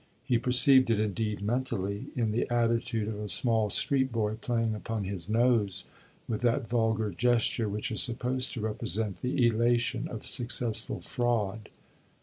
He perceived it, indeed mentally in the attitude of a small street boy playing upon his nose with that vulgar gesture which is supposed to represent the elation of successful fraud.